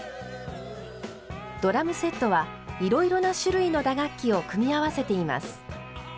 ドラムセットはいろいろな種類の打楽器を組み合わせています。